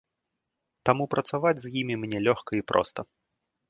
Таму працаваць з імі мне лёгка і проста.